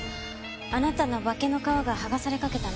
あなたの化けの皮が剥がされかけたんですね。